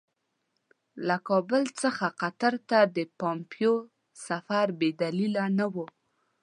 له کابل څخه قطر ته د پومپیو سفر بې دلیله نه وو.